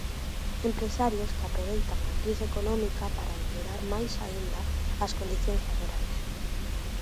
Empresarios que aproveitan a crise económica para empeorar máis aínda as condicións laborais.